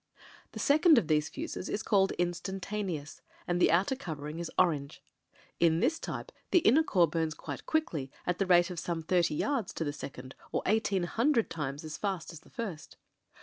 The second of these fuzes is called Instantaneous — and the outer covering is orange. In this type the inner core bums quite quickly, at the rate of some thirty yards to the second, or eighteen hundred times as fast as the first.